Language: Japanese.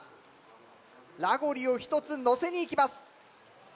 ラゴリを１つのせにいきます。